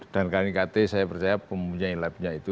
dan kali ini saya percaya kt mempunyai lab nya itu